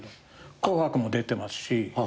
『紅白』も出てますし。